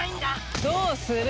どうする？